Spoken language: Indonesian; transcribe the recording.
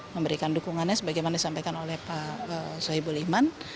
memberikan dukungannya sebagaimana disampaikan oleh pak soebul iman